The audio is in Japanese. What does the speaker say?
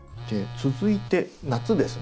続いて夏ですね。